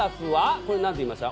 これなんて言いました？